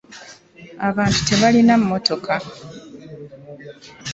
Abantu tebaalina mmotoka.